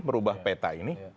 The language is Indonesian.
merubah peta ini